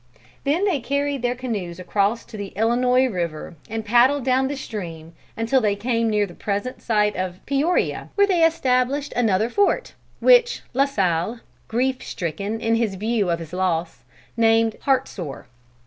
They then carried their canoes across to the Illinois river and paddled down that stream until they came near to the present site of Peoria, where they established another fort, which La Salle, grief stricken in view of his loss, named Crève Coeur, or Heartsore.